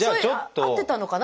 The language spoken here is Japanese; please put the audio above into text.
合ってたのかな？